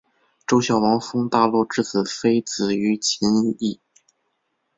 周孝王封大骆之子非子于秦邑。